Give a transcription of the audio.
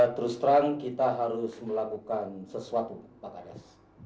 terus terang kita harus melakukan sesuatu pak kades